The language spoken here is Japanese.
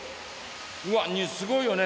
うわすごいよね